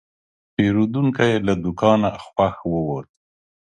پیرودونکی له دوکانه خوښ ووت.